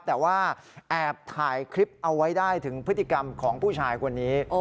แต่ว่าแอบถ่ายคลิปเอาไว้ได้ถึงพฤติกรรมของผู้ชายคนนี้